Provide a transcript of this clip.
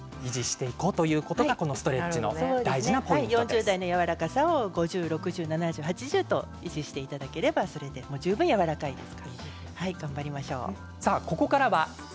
４０のやわらかさを５０、６０、７０、８０と維持していただければ十分やわらかいです。